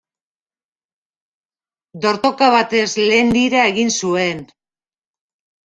Dortoka batez lehen lira egin zuen.